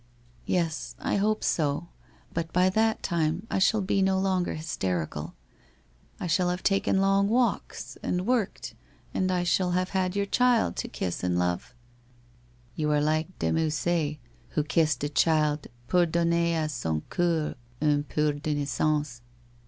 ' Yes, I hope bo, but by that time I shall be no longer terical. I ball have taken long walks, and worked, and I shall have bad your child to kiss and love '' You are like De MttSSet who kissed a child pour donncr a son coeut vn pen d' innocence.'